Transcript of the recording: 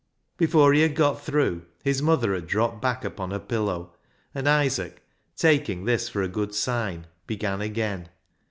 Before he had got through, his mother had dropped back upon her pillow, and Isaac, taking this for a good sign, began again.